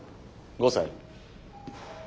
５歳？